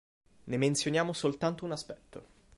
Ne menzioniamo soltanto un aspetto.